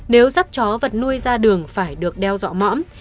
nếu dắt chó vật nuôi ra đường phải được đeo dọa mõm